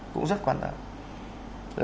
cũng rất quan trọng